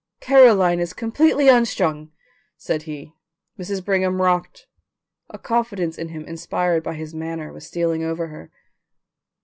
"Caroline is completely unstrung," said he. Mrs. Brigham rocked. A confidence in him inspired by his manner was stealing over her.